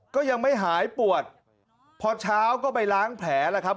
ก็ยังไม่หายปวดพอเช้าก็ไปล้างแผลแล้วครับ